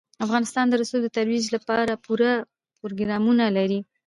افغانستان د رسوب د ترویج لپاره پوره پروګرامونه لري.